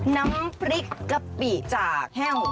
น้ำพริกกะปิจากแห้ว